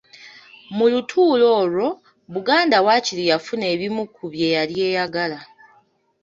Mu lutuula olwo, Buganda waakiri yafuna ebimu ku bye yali eyagala.